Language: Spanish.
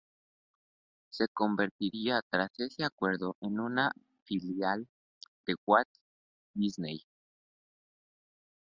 Se convertirá, tras este acuerdo, en una filial de Walt Disney.